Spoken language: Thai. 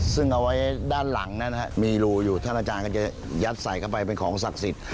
ซึ่งเอาไว้ด้านหลังนะครับมีรูอยู่ท่านอาจารย์ก็จะยัดใส่เข้าไปเป็นของศักดิ์สิทธิ์